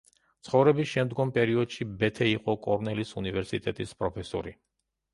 ცხოვრების შემდგომ პერიოდში ბეთე იყო კორნელის უნივერსიტეტის პროფესორი.